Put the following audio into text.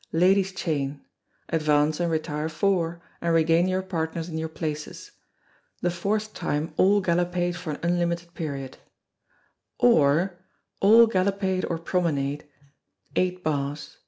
Ladies' chain. Advance and retire four, and regain your partners in your places. The fourth time all galopade for an unlimited period. (Four times.) Or, All galopade or promenade, eight bars.